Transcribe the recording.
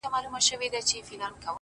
وي لكه ستوري هره شــپـه را روان’